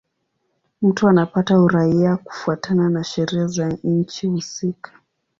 Mtu anapata uraia kufuatana na sheria za nchi husika.